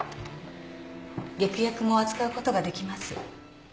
劇薬も扱うことができます。